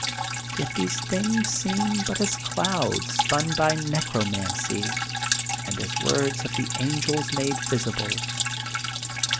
Yet these things seem bnt as clonds spun by necromancy and as words of the angels made visible.